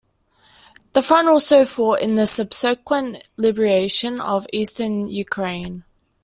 The front also fought in the subsequent liberation of eastern Ukraine.